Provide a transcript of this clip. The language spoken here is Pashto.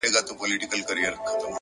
خپل هدفونه لوړ وساتئ